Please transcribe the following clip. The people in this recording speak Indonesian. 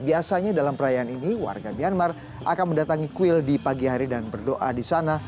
biasanya dalam perayaan ini warga myanmar akan mendatangi kuil di pagi hari dan berdoa di sana